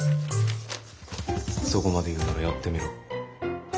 そこまで言うんならやってみろ。